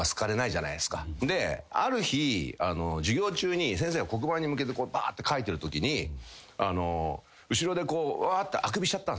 ある日授業中に先生が黒板に向けて書いてるときに後ろであくびしちゃったんすよ。